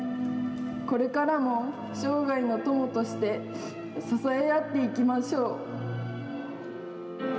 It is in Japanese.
これからも生涯の友として支え合っていきましょう。